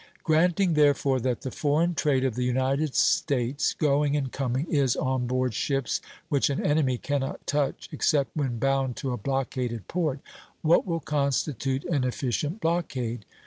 Granting therefore that the foreign trade of the United States, going and coming, is on board ships which an enemy cannot touch except when bound to a blockaded port, what will constitute an efficient blockade?